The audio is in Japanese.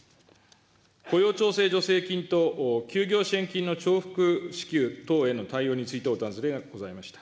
雇用調整助成金と休業支援金の重複支給等への対応についてお尋ねがございました。